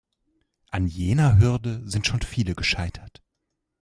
An jener Hürde sind schon viele gescheitert.